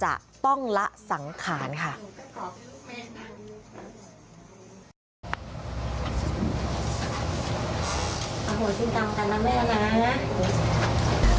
ภายในสามอาทิตยายมะลิ